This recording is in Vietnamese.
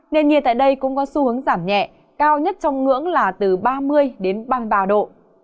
nền nhiệt tại đây cũng có xu hướng giảm nhẹ cao nhất trong ngưỡng là từ ba mươi đến ba mươi ba độ